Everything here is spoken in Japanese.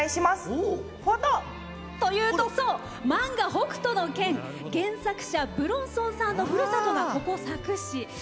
おあた！！というと漫画「北斗の拳」原作者・武論尊さんのふるさとがここ佐久市。